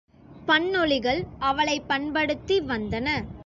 பண்ணொலிகள் அவளைப் பண்படுத்தி வந்தன.